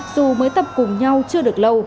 dù mới tập cùng nhau chưa được lâu